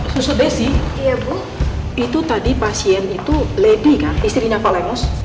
suster desi tadi pasien itu lady kan istrinya pak lemus